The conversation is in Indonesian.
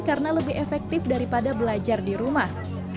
karena lebih efektif daripada belajar di rumah